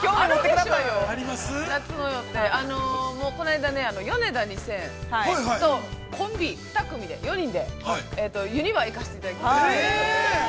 この間ね、ヨネダ２０００と、コンビ、２組で４人でユニバに行かせていただきました。